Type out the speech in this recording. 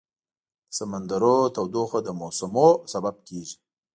د سمندرونو تودوخه د موسمونو سبب کېږي.